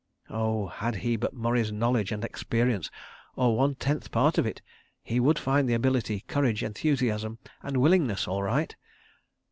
Oh, had he but Murray's knowledge and experience, or one tenth part of it—he would find the ability, courage, enthusiasm and willingness all right.